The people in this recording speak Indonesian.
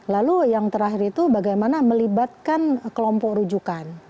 lalu yang terakhir itu bagaimana melibatkan kelompok rujukan